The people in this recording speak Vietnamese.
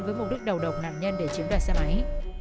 với mục đích đầu độc nạn nhân để chiếm đoạt xe máy